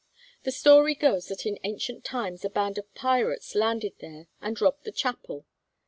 The story goes that in ancient times a band of pirates landed there and robbed the chapel.